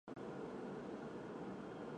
以下为无尽的任务所出现的种族。